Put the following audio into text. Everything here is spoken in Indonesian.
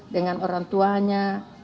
dengan orang lainnya